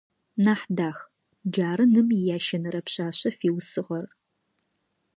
Нахьдах - джары ным иящэнэрэ пшъашъэ фиусыгъэр.